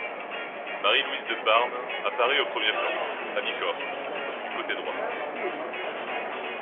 Marie Louise de Parme apparaît au premier plan, à mi-corps, du côté droit.